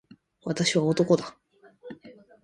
私は男だ。